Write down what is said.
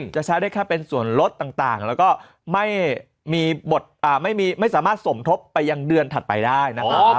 จะใช้ได้แค่เป็นส่วนลดต่างแล้วก็ไม่สามารถสมทบไปยังเดือนถัดไปได้นะครับ